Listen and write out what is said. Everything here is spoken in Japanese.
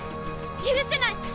許せない！